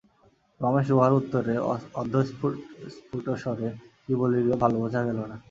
রমেশ ইহার উত্তরে অর্ধস্ফুটস্বরে কী বলিল, ভালো বোঝা গেল না।